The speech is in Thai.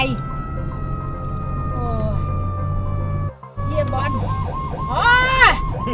ผู้ชีพเราบอกให้สุจรรย์ว่า๒